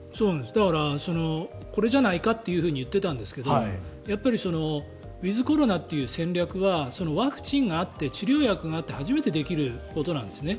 だから、これじゃないかと言っていたんですがウィズコロナという戦略はワクチンがあって治療薬があって初めてできることなんですね。